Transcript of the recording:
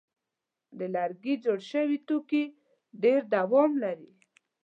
د لرګي جوړ شوي توکي ډېر دوام لري.